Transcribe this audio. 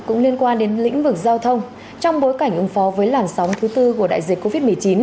cũng liên quan đến lĩnh vực giao thông trong bối cảnh ứng phó với làn sóng thứ tư của đại dịch covid một mươi chín